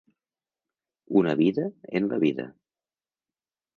Una vida en la vida.